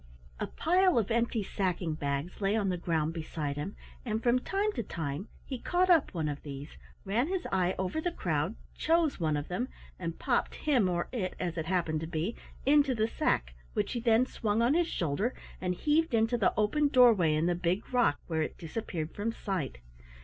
A pile of empty sacking bags lay on the ground beside him, and from time to time he caught up one of these, ran his eye over the crowd, chose one of them, and popped him, or it, as it happened to be, into the sack which he then swung on his shoulder and heaved into the open doorway in the big rock, where it disappeared from sight.